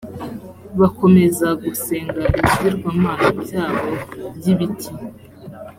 bakomeza gusenga ibigirwamana byabo by’ibiti